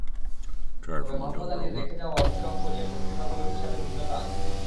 তবে মোহাম্মদ আলীর রেখে যাওয়া অর্থের অঙ্ক নিয়ে পত্রিকাগুলোর হিসাবে ভিন্নতা আছে।